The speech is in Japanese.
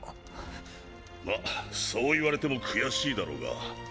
まぁそう言われても悔しいだろうが。